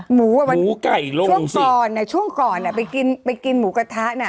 หมูอ่ะมันหมูไก่ลงช่วงก่อนอ่ะช่วงก่อนอ่ะไปกินไปกินหมูกระทะน่ะ